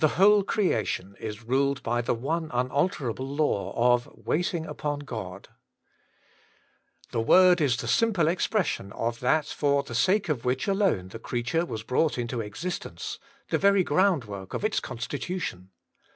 whole creation is ruled by the one unalterable law of — waiting upon God / The word is the simple expression of that for the sake of which alone the creature was brought into existence, the very groundwork of its con stitution.